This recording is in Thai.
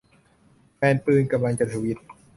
แฟนปืนกำลังจะ ทวิต